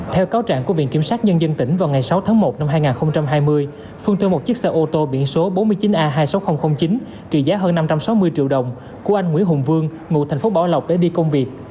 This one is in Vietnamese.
theo cáo trạng của viện kiểm sát nhân dân tỉnh vào ngày sáu tháng một năm hai nghìn hai mươi phương thuê một chiếc xe ô tô biển số bốn mươi chín a hai mươi sáu nghìn chín trị giá hơn năm trăm sáu mươi triệu đồng của anh nguyễn hùng vương ngụ thành phố bảo lộc để đi công việc